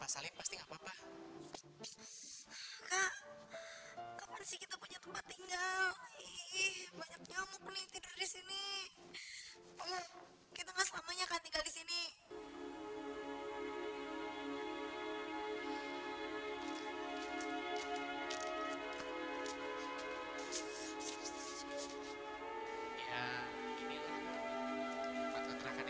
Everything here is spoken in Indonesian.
sebenarnya jelek banget